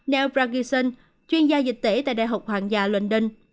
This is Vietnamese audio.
neil brangison chuyên gia dịch tễ tại đại học hoàng gia london